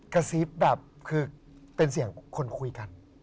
กระซิบแบบคือเป็นเสียงคนคุยกัน